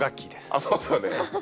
あっそうっすよね。